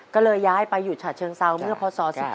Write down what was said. ก็เลยย้ายไปอยู่ฉะเชิงเซาเมื่อพศ๑๔